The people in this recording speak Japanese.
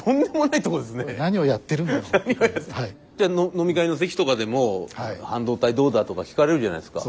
飲み会の席とかでも半導体どうだ？とか聞かれるじゃないですか。